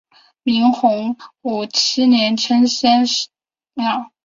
明洪武七年称先师庙。